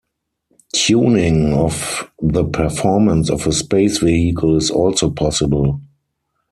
Tuning of the performance of a space vehicle is also possible.